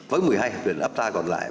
với một mươi hai hiệp định ấp ta còn lại